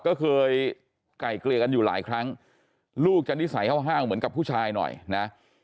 ก็เคยไก่เกลี่ยกันอยู่หลายครั้งลูกจะนิสัยห้าวเหมือนกับผู้ชายหน่อยนะ